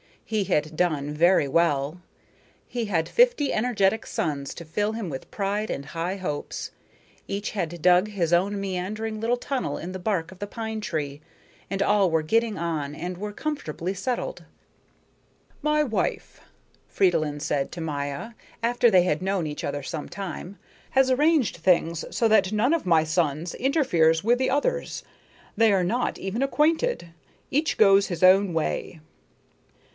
He had done very well: he had fifty energetic sons to fill him with pride and high hopes. Each had dug his own meandering little tunnel in the bark of the pine tree and all were getting on and were comfortably settled. "My wife," Fridolin said to Maya, after they had known each other some time, "has arranged things so that none of my sons interferes with the others. They are not even acquainted; each goes his own way."